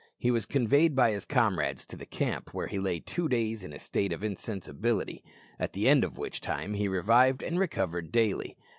He was conveyed by his comrades to the camp, where he lay two days in a state of insensibility, at the end of which time he revived and recovered daily.